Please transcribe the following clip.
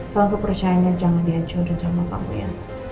kalau kepercayaannya jangan dihancurin sama kamu ya